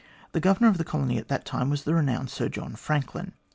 The Governor of the colony at the time was the renowned Sir John Franklin.